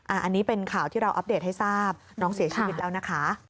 อันนี้เป็นข่าวที่เราอัปเดตให้ทราบน้องเสียชีวิตแล้วนะคะ